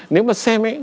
nếu mà xem ấy